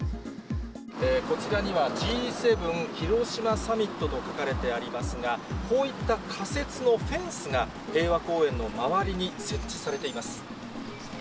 こちらには、Ｇ７ヒロシマサミットと書かれてありますが、こういった仮設のフェンスが平和公園の周りに設置されています。